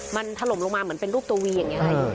มันถล่มลงมาเหมือนเป็นรูปตัววีอย่างนี้